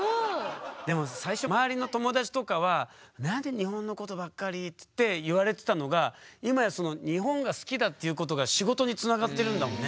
でも最初周りの友達とかは「何で日本のことばっかり」っつって言われてたのが今やその日本が好きだっていうことが仕事につながってるんだもんね。